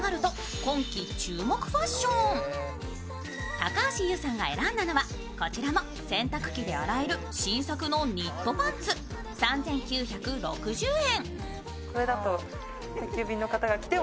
高橋ユウさんが選んだのはこちらも洗濯機で洗える新作のニットパンツ３９６０円。